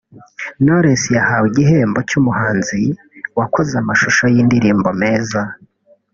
Knowless yahawe igihembo cy’umuhanzi wakoze amashusho y’indirimbo meza